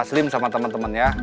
taslim sama temen temen ya